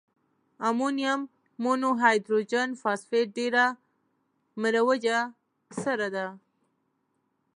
امونیم مونو هایدروجن فاسفیټ ډیره مروجه سره ده.